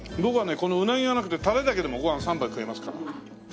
このうなぎがなくてタレだけでもご飯３杯食えますから。